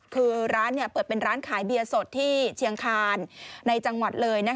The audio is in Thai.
คือร้านเปิดเป็นร้านขายเบียร์สดที่เชียงคานในจังหวัดเลย